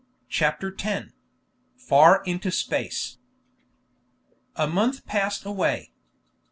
CHAPTER X. FAR INTO SPACE A month passed away.